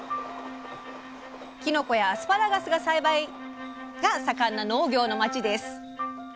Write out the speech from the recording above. きのこやアスパラガスの栽培が盛んな農業の町です。